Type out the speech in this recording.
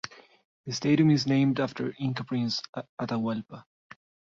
The stadium is named after Inca prince Atahualpa.